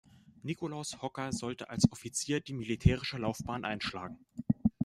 Nikolaus Hocker sollte als Offizier die militärische Laufbahn einschlagen.